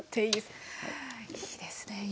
いいですね